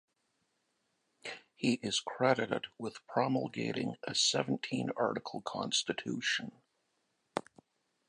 He is credited with promulgating a Seventeen-article constitution.